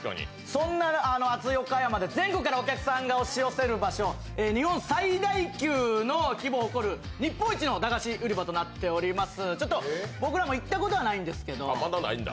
そんな熱い岡山で全国からお客さんが押し寄せる場所、日本最大級の規模を誇る日本一のだがし売場となっております。